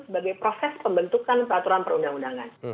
sebagai proses pembentukan peraturan perundang undangan